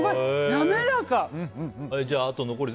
滑らか！